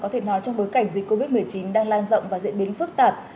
trong bối cảnh dịch covid một mươi chín đang lan rộng và diễn biến phức tạp